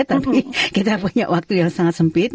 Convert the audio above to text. tapi kita punya waktu yang sangat sempit